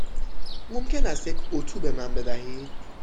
ممکن است یک اتو به من بدهید؟